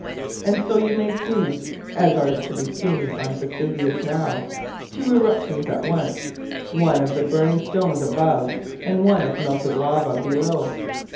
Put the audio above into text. And so you may see (as are to be seen on Vesuvius now) two eruptions at once one of burning stones above, and one of melted lava below.